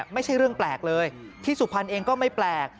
ไม่ใช่เรื่องแปลกเลยที่สุพรรณเองก็ไม่แปลก